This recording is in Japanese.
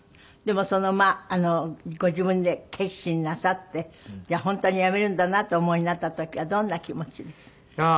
でもご自分で決心なさって本当に辞めるんだなってお思いになった時はどんな気持ちです？